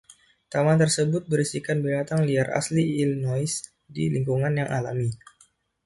Taman tersebut berisikan binatang liar asli Illinois, di lingkungan yang alami.